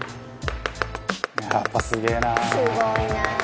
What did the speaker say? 「やっぱすげえなあ」